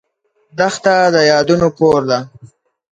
دښته د یادونو کور ده.